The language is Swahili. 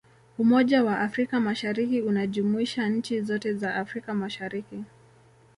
umoja wa afrika mashariki unajumuisha nchi zote za afrika mashariki